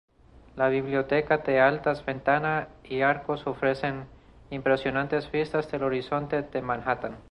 La biblioteca de altas ventana y arcos ofrecen impresionantes vistas del horizonte de Manhattan.